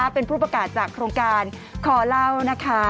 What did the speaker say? เป็นผู้ประกาศจากโครงการคอเล่านะคะ